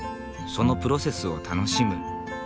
そのプロセスを楽しむ。